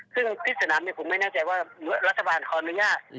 ซึ่งที่สนามเนี่ยผมไม่แน่ใจว่ารัฐบาลคอนลัย่า